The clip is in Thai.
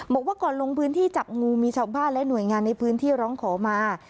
บอกว่าก่อนลงพื้นที่จับงูมีชาวบ้านและหน่วยงานในพื้นที่ร้องขอมา